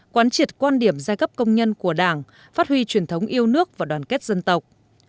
quán triệt quan điểm giai cấp công nhân của đảng phát huy truyền thống yêu nước và đoàn kết dân tộc